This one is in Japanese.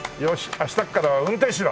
明日からは運転士だ。